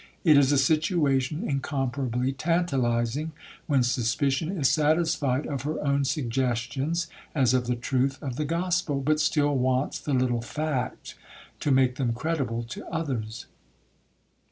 It is a situation incomparably tantalizing, when suspicion is satisfied of her own suggestions, as of the truth of the gospel, but still wants the little fact to make them credible to others.